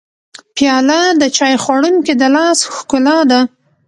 پیاله د چای خوړونکي د لاس ښکلا ده.